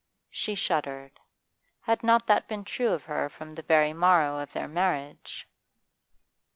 She shuddered. Had not that been true of her from the very morrow of their marriage?